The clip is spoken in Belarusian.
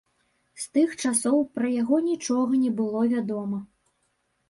З тых часоў пра яго нічога не было вядома.